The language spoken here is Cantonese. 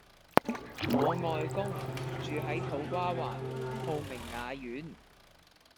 我外公住喺土瓜灣浩明雅苑